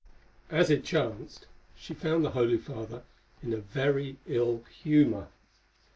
As it chanced she found the holy father in a very ill humour.